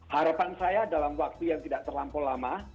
harapan saya dalam waktu yang tidak terlampau lama